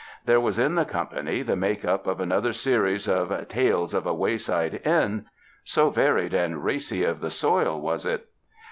There was in the company the make up of another series of ''Tales of a Wayside Inn" — so varied and racy of the soil was it.